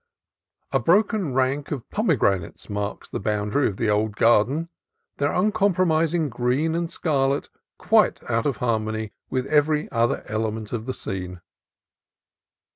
A broken rank of pome granates marks the boundary of the old garden, their uncompromising green and scarlet quite out of har mony with every other element of the scene.